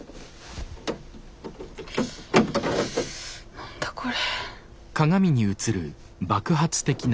何だこれ。